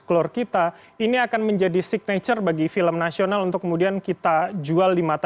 clore kita ini akan menjadi signature bagi film nasional untuk kemudian kita jual di mata